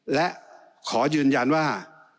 และขอยืนยันว่า